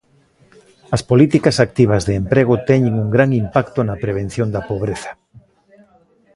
As políticas activas de emprego teñen un gran impacto na prevención da pobreza.